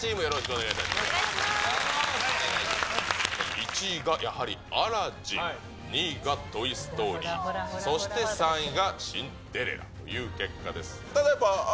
１位がやはりアラジン、２位がトイ・ストーリー、そして３位がシンデレラという結果です。